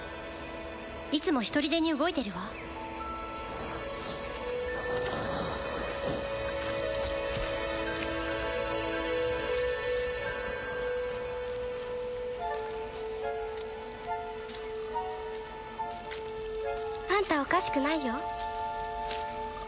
いつもひとりでに動いてるわあんたおかしくないよ